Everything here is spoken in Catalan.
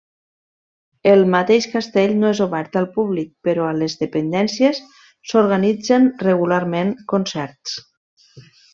El mateix castell no és obert al públic, però a les dependències s'organitzen regularment concerts.